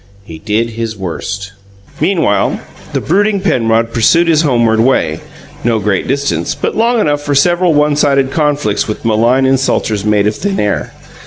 He did his worst. Meanwhile, the brooding Penrod pursued his homeward way; no great distance, but long enough for several one sided conflicts with malign insulters made of thin air.